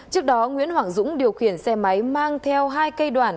trước đó nguyễn hoàng dũng điều khiển xe máy mang theo hai cây đoạn